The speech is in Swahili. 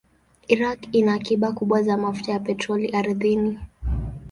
Iraq ina akiba kubwa za mafuta ya petroli ardhini.